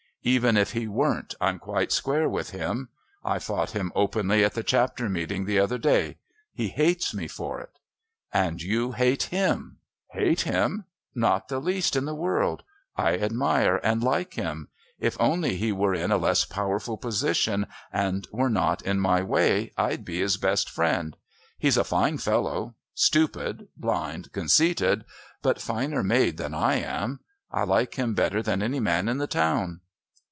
Even if he weren't, I'm quite square with him. I fought him openly at the Chapter Meeting the other day. He hates me for it." "And you hate him." "Hate him? Not the least in the world. I admire and like him. If only he were in a less powerful position and were not in my way, I'd be his best friend. He's a fine fellow stupid, blind, conceited, but finer made than I am. I like him better than any man in the town."